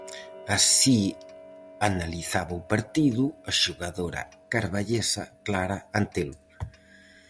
Así analizaba o partido a xogadora carballesa Clara Antelo: